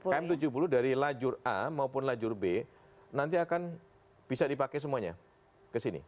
km tujuh puluh dari lajur a maupun lajur b nanti akan bisa dipakai semuanya ke sini